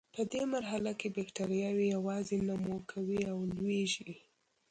په دې مرحله کې بکټریاوې یوازې نمو کوي او لویږي.